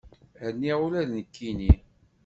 Rniɣ ula d nekkini.